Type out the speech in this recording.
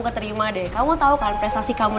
keterima deh kamu tau kan prestasi kamu